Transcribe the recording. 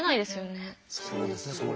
そうですよね。